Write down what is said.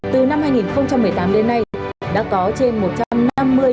từ năm hai nghìn một mươi tám đến nay đã có trên một trăm năm mươi đồng chí